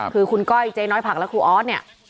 คือคุณก้อยเจ๊น้อยผักและครูออสเนี่ย